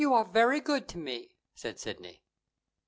"You are very good to me," said Sidney.